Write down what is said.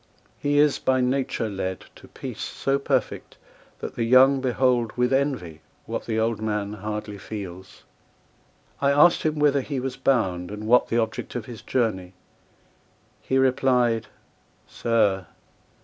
He is by nature led To peace so perfect, that the young behold With envy, what the old man hardly feels. —I asked him whither he was bound, and what The object of his journey; he replied "Sir!